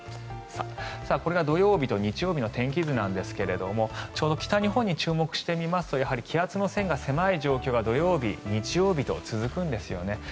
これが土曜日と日曜日の天気図なんですがちょうど北日本に注目してみますと気圧の線が狭い状況が土曜日、日曜日と続くんですよね。